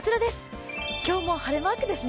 今日も晴れマークですね。